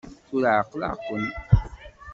Tura ɛeqleɣ-ken!